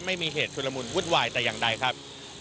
ไม่มีเหตุชุลมุนวุ่นวายแต่อย่างใดครับ